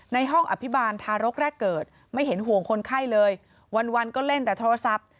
ในห้องอภิบาลทารกแรกเกิดไม่เห็นห่วงคนไข้เลยวันก็เล่นแต่โทรศัพท์